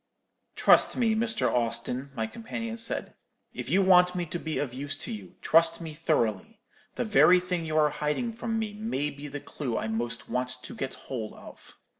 "'Trust me, Mr. Austin,' my companion said; 'if you want me to be of use to you, trust me thoroughly. The very thing you are hiding from me may be the clue I most want to get hold of.'